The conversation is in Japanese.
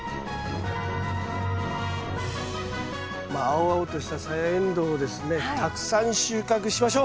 青々としたサヤエンドウをですねたくさん収穫しましょう！